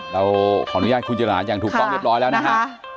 เราขออนุญาตคุณจิราอย่างถูกต้องเรียบร้อยแล้วนะฮะ